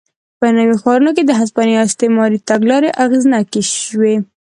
په نویو ښارونو کې د هسپانیا استعماري تګلارې اغېزناکې شوې.